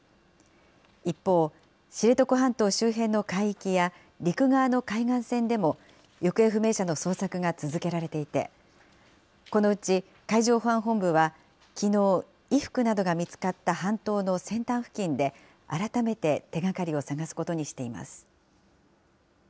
一方、知床半島周辺の海域や、陸側の海岸線でも、行方不明者の捜索が続けられていて、このうち海上保安本部は、きのう、衣服などが見つかった半島の先端付近で、改めて手がかりを捜すことにしています。